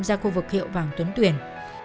ra khu vực hiệu vàng tuấn tuyển